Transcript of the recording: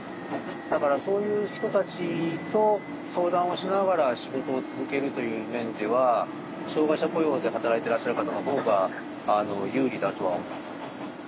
だからそういう人たちと相談をしながら仕事を続けるという面では障害者雇用で働いてらっしゃる方のほうが有利だとは思います。